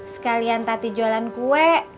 sekalian tati jualan kue